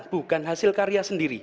bukan hasil karya sendiri